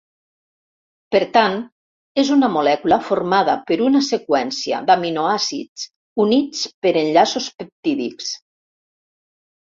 Per tant, és una molècula formada per una seqüència d’aminoàcids units per enllaços peptídics.